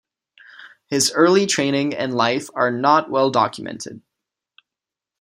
His early training and life are not well documented.